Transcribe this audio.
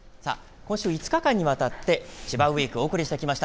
今週５日間にわたって千葉ウイークお送りしてきました。